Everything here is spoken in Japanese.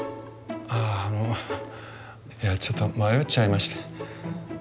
ああのいやちょっと迷っちゃいまして。